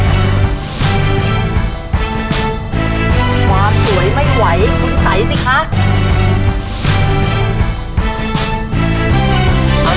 ความสวยไม่ไหวคุณใสสิคะ